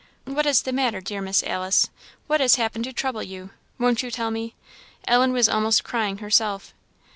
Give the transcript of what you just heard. "What is the matter, dear Miss Alice? what has happened to trouble you? won't you tell me?" Ellen was almost crying herself.